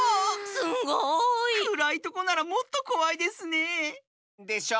すごい！くらいとこならもっとこわいですねえ。でしょう？